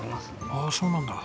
ああそうなんだ。